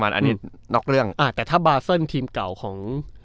แต่ถ้าบาสเซินทีมเก่าของ